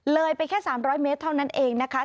เลยไปแค่๓๐๐เมตรเท่านั้นเองนะคะ